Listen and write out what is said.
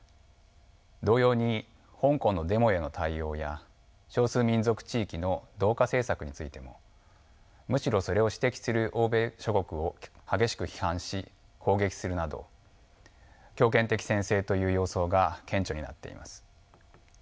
同様に香港のデモへの対応や少数民族地域の同化政策についてもむしろそれを指摘する欧米諸国を激しく批判し攻撃するなど強権的専制という様相が顕著になっています。